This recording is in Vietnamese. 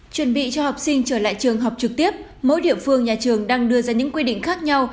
chuẩn bị cho học sinh trở lại trường học trực tiếp mỗi địa phương nhà trường đang đưa ra những quy định khác nhau